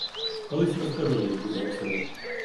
Колись розкажу, як будемо самі.